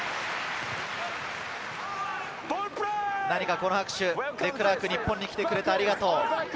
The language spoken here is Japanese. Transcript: この拍手、デクラーク、日本に来てくれてありがとう。